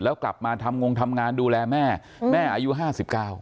แล้วกลับมาทำงงทำงานดูแลแม่แม่อายุห้าสิบเก้า